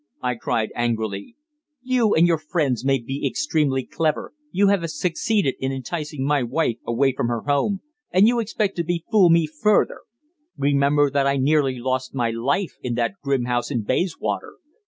I cried angrily. "You and your friends may be extremely clever you have succeeded in enticing my wife away from her home, and you expect to befool me further. Remember that I nearly lost my life in that grim house in Bayswater.